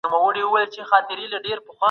څه شی د ښارونو په ښکلا او پاکوالي کي مرسته کوي؟